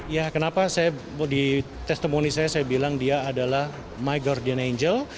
ya kenapa di testimoni saya saya bilang dia adalah my guardian angel